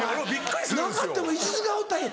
なかっても１時間おったんや。